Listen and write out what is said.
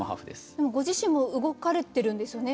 でもご自身も動かれてるんですよね？